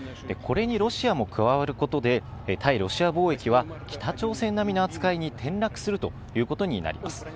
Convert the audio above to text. これにロシアも加わることで、対ロシア貿易は北朝鮮並みの扱いに転落するということになります。